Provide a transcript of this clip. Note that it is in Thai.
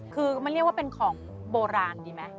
คือมันเรียกว่าเป็นของโบราณดีไหม